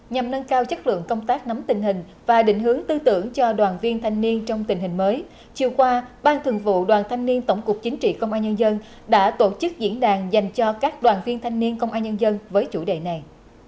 nhằm nâng cao chất lượng công tác nắm tình hình và định hướng tư tưởng cho đoàn viên thanh niên trong tình hình mới chiều qua ban thường vụ đoàn thanh niên tổng cục chính trị công an nhân dân đã tổ chức diễn đàn dành cho các đoàn viên thanh niên công an nhân dân với chủ đề này